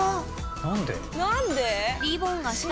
何で？